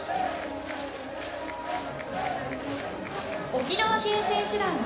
沖縄県選手団。